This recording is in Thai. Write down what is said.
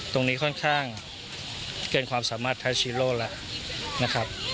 ตรงนี้ค่อนข้างเกินความสามารถแท้ชีโร่แล้วนะครับ